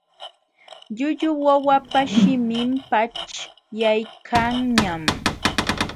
Llullu wawapa shimin paćhyaykanñam.